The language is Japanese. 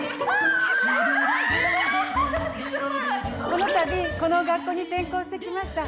この度この学校に転校してきました